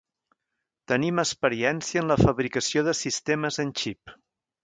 Tenim experiència en la fabricació de sistemes en xip.